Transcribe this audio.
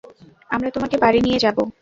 আমরা তোমাকে বাড়ি নিয়ে যাবো।